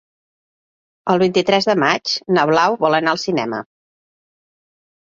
El vint-i-tres de maig na Blau vol anar al cinema.